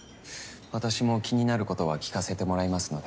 私も気になることは聞かせてもらいますので。